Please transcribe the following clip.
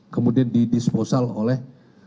kemudian didisposal oleh